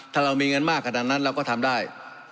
ถ้าเรามีเงินมากขนาดนั้นเราก็ทำได้